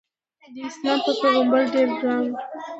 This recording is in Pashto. داسلام په پیغمبر ډېر ګران و.